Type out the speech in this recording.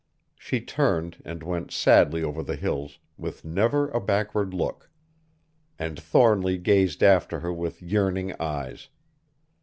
She turned, and went sadly over the hills with never a backward look. And Thornly gazed after her with yearning eyes.